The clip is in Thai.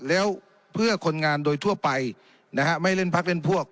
แล้วเพื่อคนงานโดยทั่วไปนะฮะไม่เล่นพักเล่นพวก